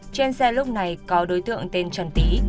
trên xe lúc này có đối tượng tên trần tý